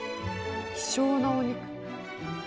「希少なお肉」